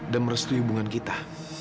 dan merestui hubungan kita